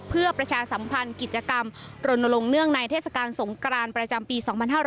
เพื่อประชาสัมพันธ์กิจกรรมรณรงคเนื่องในเทศกาลสงกรานประจำปี๒๕๕๙